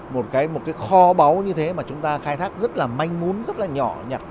một cái kho báu như thế mà chúng ta khai thác rất là manh mún rất là nhỏ nhặt